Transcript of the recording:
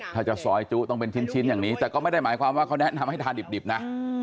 ถ้าจะซอยจุต้องเป็นชิ้นอย่างนี้แต่ก็ไม่ได้หมายความว่าเขาแนะนำให้ทานดิบนะ